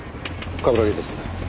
冠城です。